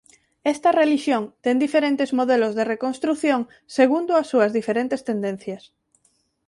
Esta relixión ten diferentes modelos de reconstrución segundo a súa diferentes tendencias.